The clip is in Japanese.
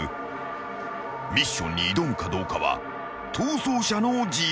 ［ミッションに挑むかどうかは逃走者の自由だ］